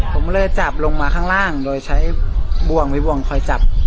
ผมก็เลยจับลงมาข้างล่างโดยใช้บ่วงมีบวงคอยจับ